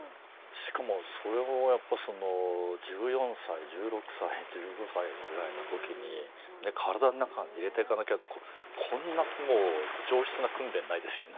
しかもそれをやっぱその１４歳１６歳１５歳ぐらいの時に体の中に入れていかなきゃってこんなもう上質な訓練ないですよね。